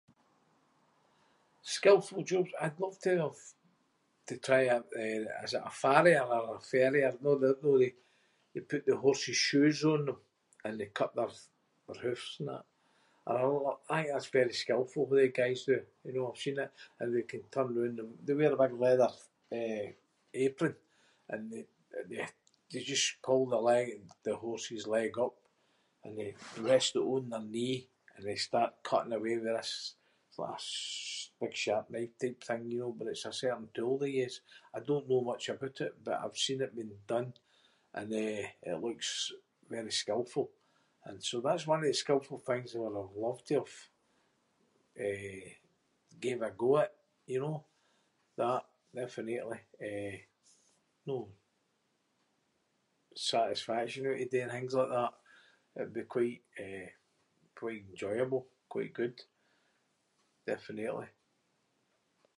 Skilful jobs- I’d loved to have- to try a, eh, is it a farrier or a ferrier? Know the- know they - they put the horses shoes on them and they cut their- their hooves and that. I reall- I think that’s very skilful what they guys do. You know, I’ve seen it- and they can turn roond and they wear the big leather, eh, apron and they- they- they just pull the leg- the horse’s leg up and they rest it on their knee and they start cutting away with this- it's like a s- big sharp knife-type thing, you know, but it’s a certain tool they use. I don’t know much aboot it but I’ve seen it being done and, eh, it looks very skilful. And so that’s one of the skilful things I would’ve loved to have, eh, gave a go at, you know? That. Definitely, eh, know- satisfaction oot of doing things like that. It would be quite, eh- quite enjoyable. Quite good. Definitely.